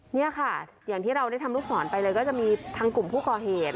นี่ค่ะอย่างที่เราได้ทำลูกศรไปเลยก็จะมีทางกลุ่มผู้ก่อเหตุ